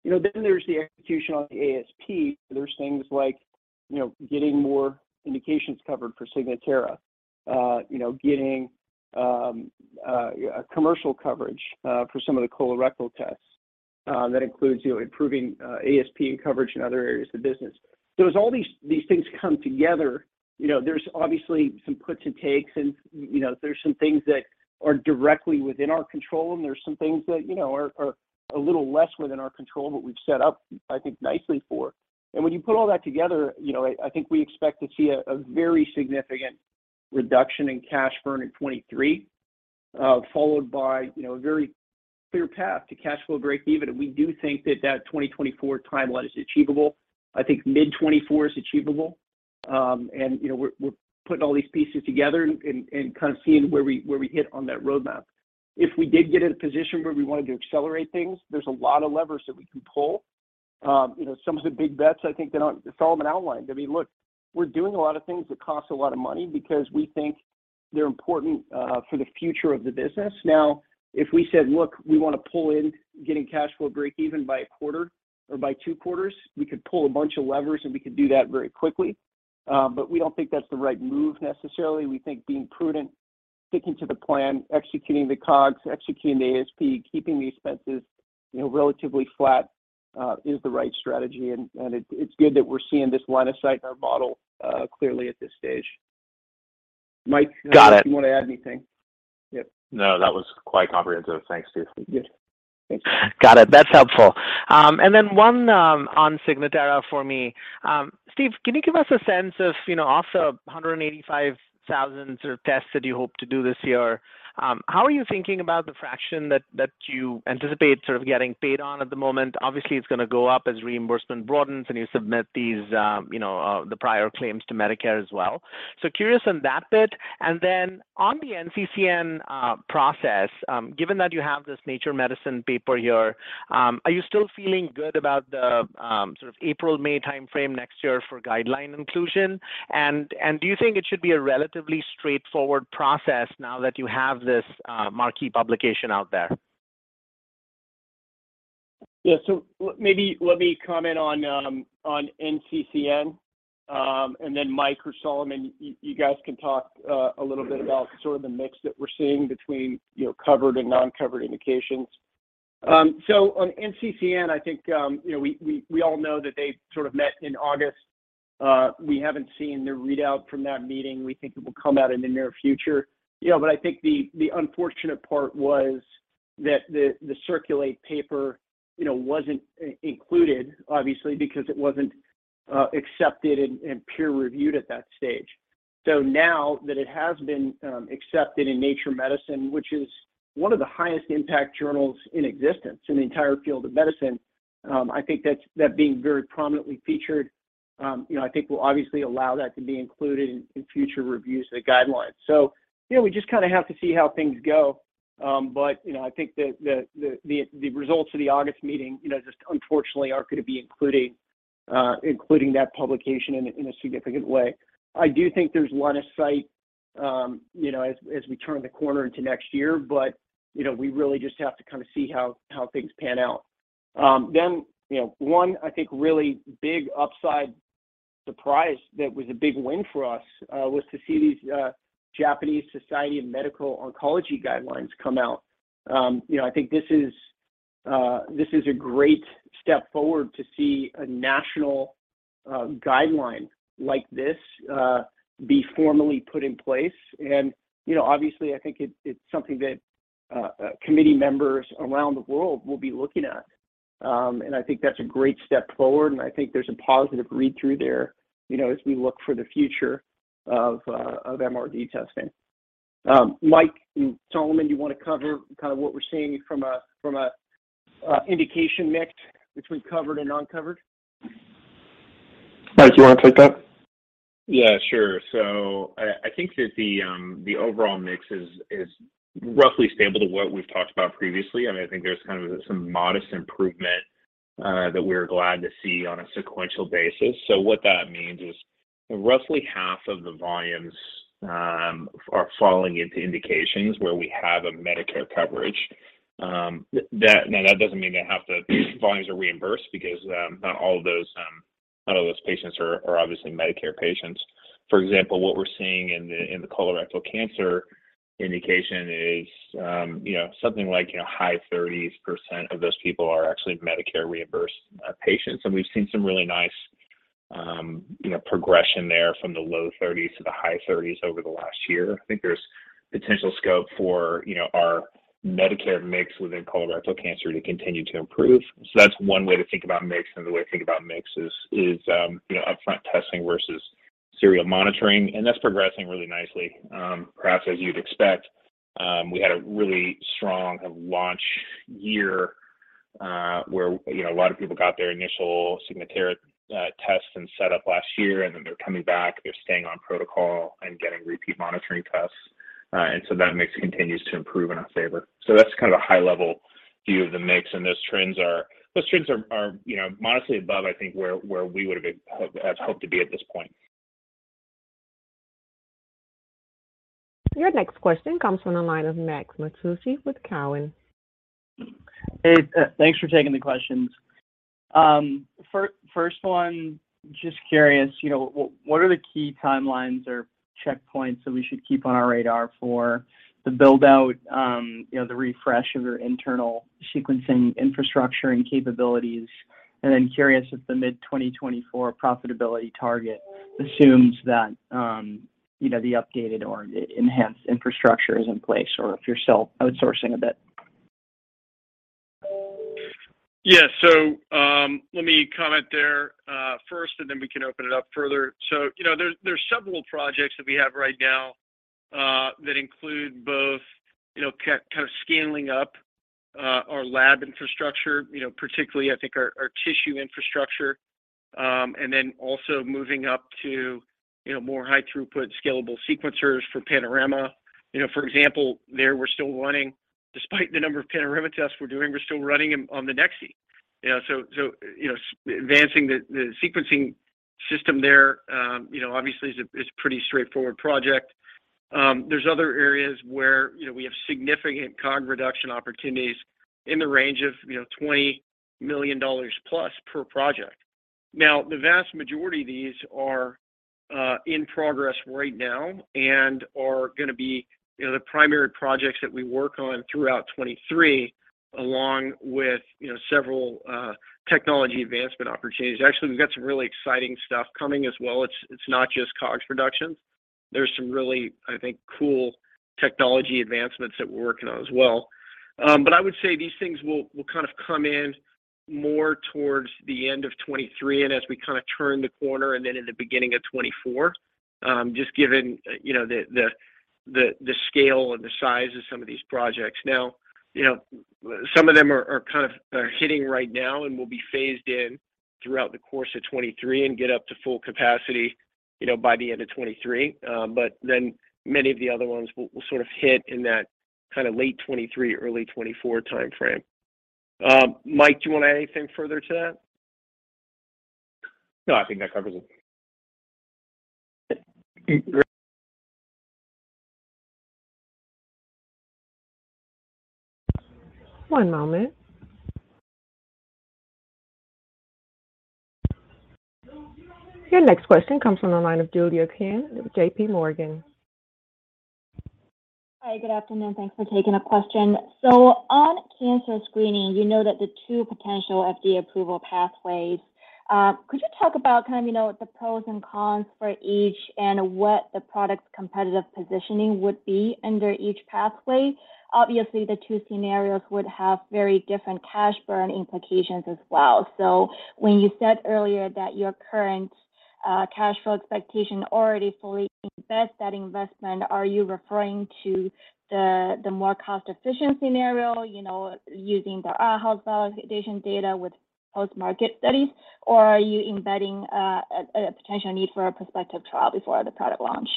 There's the execution on the ASP. There's things like getting more indications covered for Signatera, getting commercial coverage for some of the colorectal tests. That includes improving ASP and coverage in other areas of the business. As all these things come together, there's obviously some puts and takes, and there's some things that are directly within our control, and there's some things that are a little less within our control that we've set up, I think, nicely for. When you put all that together, I think we expect to see a very significant reduction in cash burn in 2023, followed by a very clear path to cash flow breakeven, and we do think that that 2024 timeline is achievable. I think mid-2024 is achievable. We're putting all these pieces together and seeing where we hit on that roadmap. If we did get in a position where we wanted to accelerate things, there's a lot of levers that we can pull. Some of the big bets, I think Solomon outlined. Look, we're doing a lot of things that cost a lot of money because we think they're important for the future of the business. If we said, "Look, we want to pull in getting cash flow breakeven by a quarter or by two quarters," we could pull a bunch of levers and we could do that very quickly, we don't think that's the right move necessarily. We think being prudent, sticking to the plan, executing the COGS, executing the ASP, keeping the expenses relatively flat is the right strategy, it's good that we're seeing this line of sight in our model clearly at this stage. Mike. Got it. Do you want to add anything? Yep. No, that was quite comprehensive. Thanks, Steve. Good. Thanks. Got it. That's helpful. One on Signatera for me. Steve, can you give us a sense of the 185,000 tests that you hope to do this year, how are you thinking about the fraction that you anticipate getting paid on at the moment? Obviously, it's going to go up as reimbursement broadens and you submit the prior claims to Medicare as well. Curious on that bit. On the NCCN process, given that you have this Nature Medicine paper here, are you still feeling good about the April, May timeframe next year for guideline inclusion? Do you think it should be a relatively straightforward process now that you have this marquee publication out there? Yeah. Maybe let me comment on NCCN, then Mike or Solomon, you guys can talk a little bit about the mix that we're seeing between covered and non-covered indications. On NCCN, I think we all know that they met in August. We haven't seen the readout from that meeting. We think it will come out in the near future. I think the unfortunate part was that the CIRCULATE paper wasn't included, obviously, because it wasn't accepted and peer-reviewed at that stage. Now that it has been accepted in Nature Medicine, which is one of the highest impact journals in existence in the entire field of medicine, I think that being very prominently featured will obviously allow that to be included in future reviews of the guidelines. We just have to see how things go. I think that the results of the August meeting just unfortunately aren't going to be including that publication in a significant way. I do think there's line of sight as we turn the corner into next year. We really just have to see how things pan out. One, I think, really big upside surprise that was a big win for us was to see these Japanese Society of Medical Oncology guidelines come out. I think this is a great step forward to see a national guideline like this be formally put in place, and obviously I think it's something that committee members around the world will be looking at. I think that's a great step forward, and I think there's a positive read-through there as we look for the future of MRD testing. Mike and Solomon, do you want to cover what we're seeing from an indication mix between covered and uncovered? Mike, do you want to take that? Yeah, sure. I think that the overall mix is roughly stable to what we've talked about previously, and I think there's some modest improvement that we're glad to see on a sequential basis. What that means is roughly half of the volumes are falling into indications where we have a Medicare coverage. Now that doesn't mean those volumes are reimbursed because not all of those patients are obviously Medicare patients. For example, what we're seeing in the colorectal cancer indication is something like high 30s% of those people are actually Medicare reimbursed patients. We've seen some really nice progression there from the low 30s to the high 30s over the last year. I think there's potential scope for our Medicare mix within colorectal cancer to continue to improve. That's one way to think about mix. Another way to think about mix is upfront testing versus serial monitoring, that's progressing really nicely. Perhaps as you'd expect, we had a really strong launch year where a lot of people got their initial Signatera tests and set up last year, then they're coming back, they're staying on protocol and getting repeat monitoring tests. That mix continues to improve in our favor. That's a high-level view of the mix, and those trends are modestly above, I think, where we would've hoped to be at this point. Your next question comes from the line of Max Masucci with Cowen. Hey, thanks for taking the questions. First one, just curious, what are the key timelines or checkpoints that we should keep on our radar for the build-out, the refresh of your internal sequencing infrastructure and capabilities? Then curious if the mid-2024 profitability target assumes that the updated or enhanced infrastructure is in place, or if you're still outsourcing a bit. Yeah. Let me comment there first, and then we can open it up further. There's several projects that we have right now that include both scaling up our lab infrastructure, particularly I think our tissue infrastructure, and then also moving up to more high throughput scalable sequencers for Panorama. For example, there we're still running, despite the number of Panorama tests we're doing, we're still running on the NextSeq. Advancing the sequencing system there obviously is a pretty straightforward project. There's other areas where we have significant COG reduction opportunities in the range of $20 million plus per project. Now, the vast majority of these are in progress right now and are going to be the primary projects that we work on throughout 2023, along with several technology advancement opportunities. Actually, we've got some really exciting stuff coming as well. It's not just COGS reduction. There's some really, I think, cool technology advancements that we're working on as well. I would say these things will come in more towards the end of 2023 and as we turn the corner and then in the beginning of 2024, just given the scale and the size of some of these projects. Now, some of them are hitting right now and will be phased in throughout the course of 2023 and get up to full capacity by the end of 2023. Many of the other ones will sort of hit in that late 2023, early 2024 timeframe. Mike, do you want to add anything further to that? No, I think that covers it. Great. One moment. Your next question comes from the line of Julia Qin with J.P. Morgan. Hi, good afternoon. Thanks for taking a question. On cancer screening, you know that the two potential FDA approval pathways. Could you talk about the pros and cons for each and what the product's competitive positioning would be under each pathway? Obviously, the two scenarios would have very different cash burn implications as well. When you said earlier that your current cash flow expectation already fully invests that investment, are you referring to the more cost-efficient scenario, using the RHO validation data with post-market studies, or are you embedding a potential need for a prospective trial before the product launch?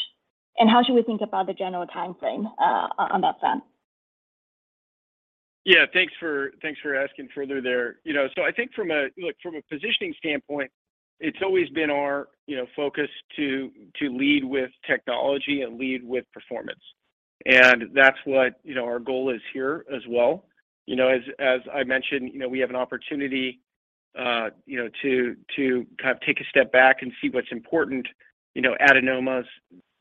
And how should we think about the general timeframe on that front? Yeah, thanks for asking further there. I think from a positioning standpoint, it's always been our focus to lead with technology and lead with performance. That's what our goal is here as well. As I mentioned, we have an opportunity to take a step back and see what's important. Adenomas,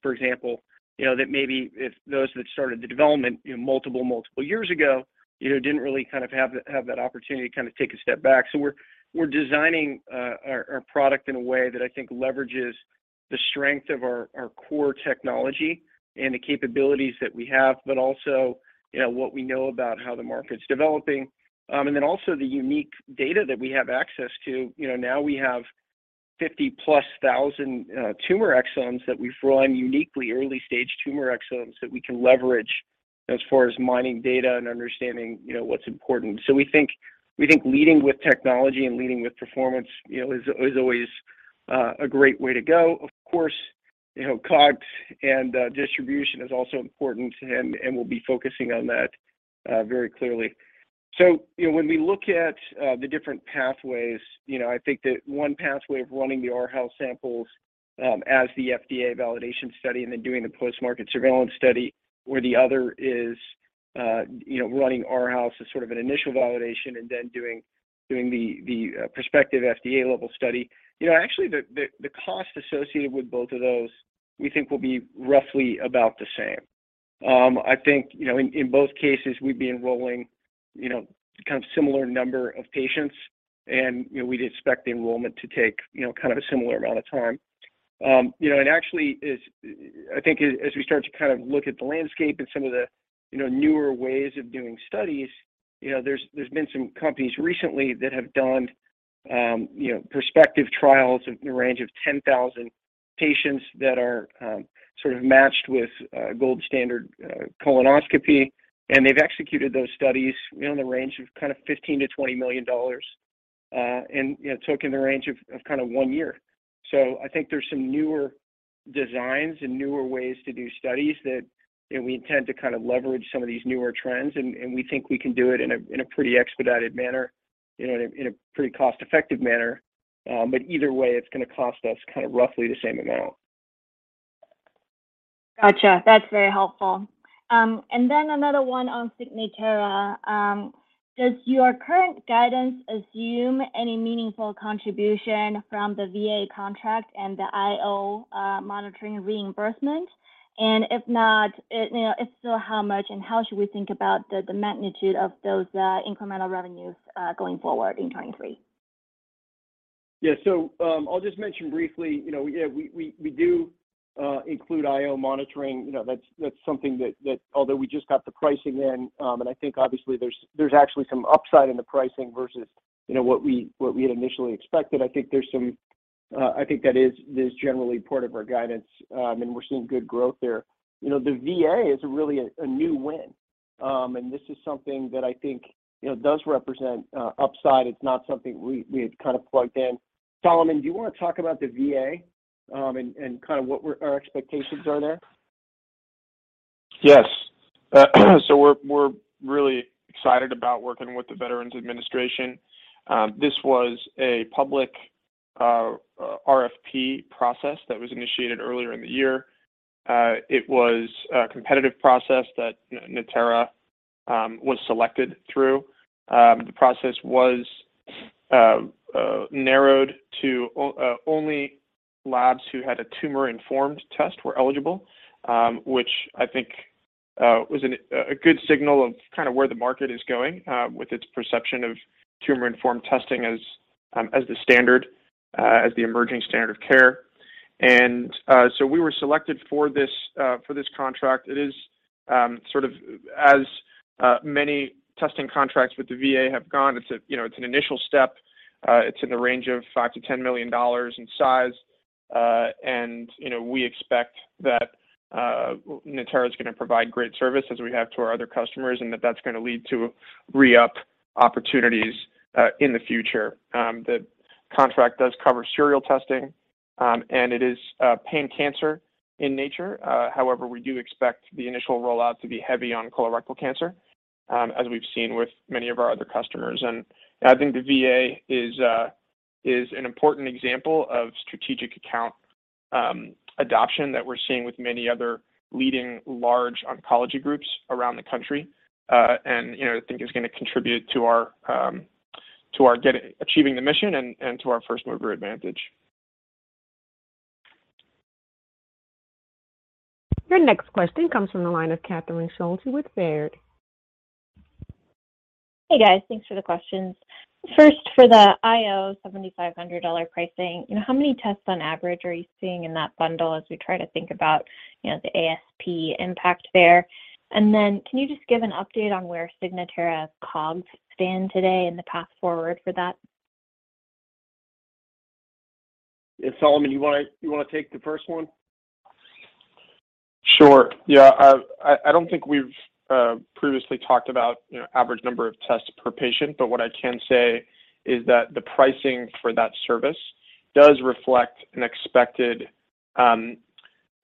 for example, that maybe if those that started the development multiple years ago, didn't really have that opportunity to take a step back. We're designing our product in a way that I think leverages the strength of our core technology and the capabilities that we have, but also, what we know about how the market's developing. Also the unique data that we have access to. We have 50,000-plus tumor exomes that we've run, uniquely early-stage tumor exomes, that we can leverage as far as mining data and understanding what's important. We think leading with technology and leading with performance is always a great way to go. Of course, COGS and distribution is also important, and we'll be focusing on that very clearly. When we look at the different pathways, I think that one pathway of running the RHO samples as the FDA validation study and then doing the post-market surveillance study, where the other is running RHO as sort of an initial validation and then doing the prospective FDA-level study. Actually, the cost associated with both of those we think will be roughly about the same. I think, in both cases, we'd be enrolling kind of similar number of patients and we'd expect the enrollment to take a similar amount of time. Actually, I think as we start to look at the landscape and some of the newer ways of doing studies, there's been some companies recently that have done prospective trials in the range of 10,000 patients that are sort of matched with gold standard colonoscopy, and they've executed those studies in the range of $15 million-$20 million and took in the range of one year. I think there's some newer designs and newer ways to do studies that we intend to leverage some of these newer trends, and we think we can do it in a pretty expedited manner, in a pretty cost-effective manner. Either way, it's going to cost us roughly the same amount. Got you. That's very helpful. Another one on Signatera. Does your current guidance assume any meaningful contribution from the VA contract and the IO monitoring reimbursement? If not, if so, how much and how should we think about the magnitude of those incremental revenues going forward in 2023? I'll just mention briefly, we do include IO monitoring. That's something that although we just got the pricing in, I think obviously there's actually some upside in the pricing versus what we had initially expected. I think that is generally part of our guidance, and we're seeing good growth there. The VA is really a new win, this is something that I think does represent upside. It's not something we had plugged in. Solomon, do you want to talk about the VA and what our expectations are there? Yes. We're really excited about working with the Veterans Administration. This was a public RFP process that was initiated earlier in the year. It was a competitive process that Natera was selected through. The process was narrowed to only labs who had a tumor-informed test were eligible, which I think was a good signal of where the market is going with its perception of tumor-informed testing as the emerging standard of care. We were selected for this contract. It is sort of as many testing contracts with the VA have gone, it's an initial step. It's in the range of $5 million-$10 million in size. We expect that Natera's going to provide great service as we have to our other customers, and that that's going to lead to re-up opportunities in the future. The contract does cover serial testing, it is pan-cancer in nature. However, we do expect the initial rollout to be heavy on colorectal cancer, as we've seen with many of our other customers. I think the VA is an important example of strategic account adoption that we're seeing with many other leading large oncology groups around the country. I think it's going to contribute to our achieving the mission and to our first-mover advantage Your next question comes from the line of Catherine Schulte with Baird. Hey, guys. Thanks for the questions. First, for the IO $7,500 pricing, how many tests on average are you seeing in that bundle as we try to think about the ASP impact there? Then can you just give an update on where Signatera COGS stand today and the path forward for that? Yeah, Solomon, you want to take the first one? Sure. Yeah. I don't think we've previously talked about average number of tests per patient, but what I can say is that the pricing for that service does reflect an expected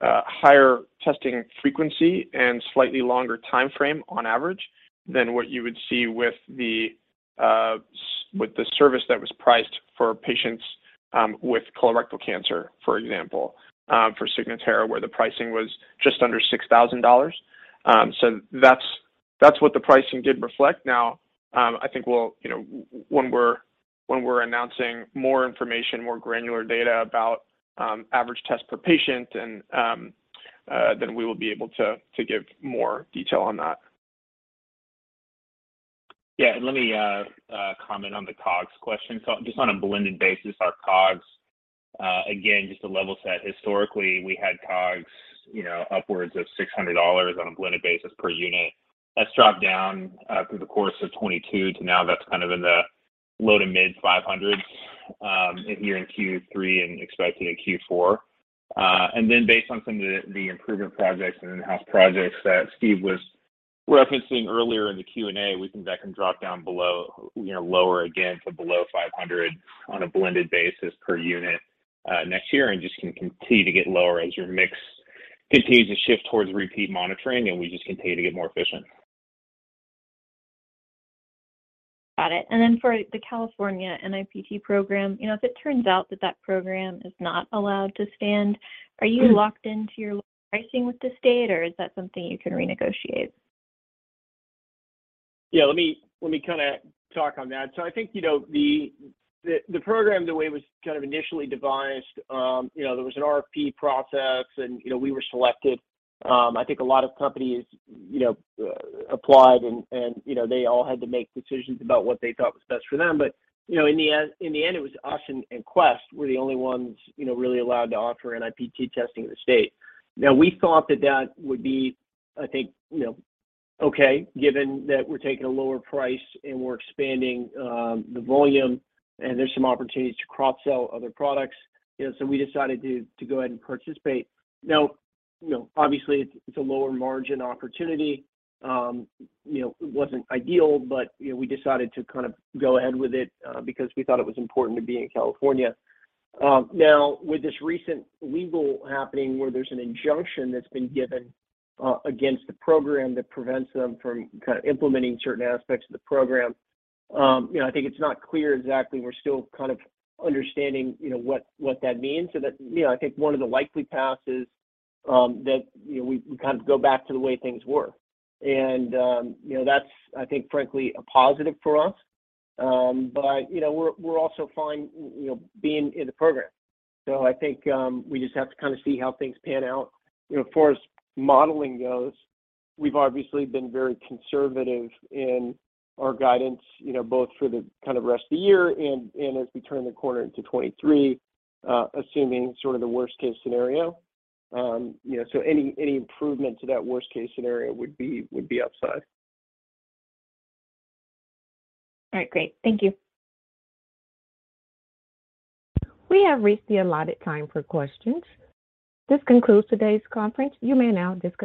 higher testing frequency and slightly longer timeframe on average than what you would see with the service that was priced for patients with colorectal cancer, for example, for Signatera, where the pricing was just under $6,000. That's what the pricing did reflect. I think when we're announcing more information, more granular data about average tests per patient, we will be able to give more detail on that. Let me comment on the COGS question. Just on a blended basis, our COGS, again, just to level set, historically, we had COGS upwards of $600 on a blended basis per unit. That's dropped down through the course of 2022 to now that's in the low to mid $500s here in Q3 and expecting in Q4. Based on some of the improvement projects and in-house projects that Steve was referencing earlier in the Q&A, we think that can drop down below, lower again to below $500 on a blended basis per unit next year and just can continue to get lower as your mix continues to shift towards repeat monitoring, and we just continue to get more efficient. Got it. For the California NIPT program, if it turns out that that program is not allowed to stand, are you locked into your pricing with the state, or is that something you can renegotiate? Let me talk on that. I think the program, the way it was kind of initially devised, there was an RFP process, and we were selected. I think a lot of companies applied, and they all had to make decisions about what they thought was best for them. In the end, it was us and Quest were the only ones really allowed to offer NIPT testing in the state. We thought that that would be okay, given that we're taking a lower price and we're expanding the volume, and there's some opportunities to cross-sell other products. We decided to go ahead and participate. Obviously, it's a lower margin opportunity. It wasn't ideal, but we decided to go ahead with it because we thought it was important to be in California. Now, with this recent legal happening where there's an injunction that's been given against the program that prevents them from kind of implementing certain aspects of the program, I think it's not clear exactly. We're still kind of understanding what that means. I think one of the likely paths is that we kind of go back to the way things were. That's, I think, frankly, a positive for us. We're also fine being in the program. I think we just have to kind of see how things pan out. As far as modeling goes, we've obviously been very conservative in our guidance, both for the rest of the year and as we turn the corner into 2023, assuming sort of the worst case scenario. Any improvement to that worst case scenario would be upside. All right, great. Thank you. We have reached the allotted time for questions. This concludes today's conference. You may now disconnect.